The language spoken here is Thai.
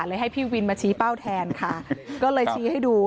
ให้พี่วินมาชี้เป้าแทนค่ะก็เลยชี้ให้ดู